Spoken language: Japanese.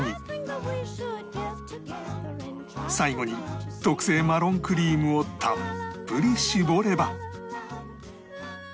最後に特製マロンクリームをたっぷり搾れば